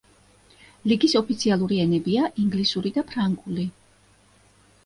ლიგის ოფიციალური ენებია: ინგლისური და ფრანგული.